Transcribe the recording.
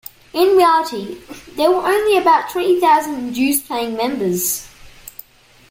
In reality, there were only about twenty thousand dues-paying members.